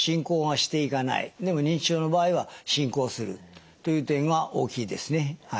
でも認知症の場合は進行するという点は大きいですね。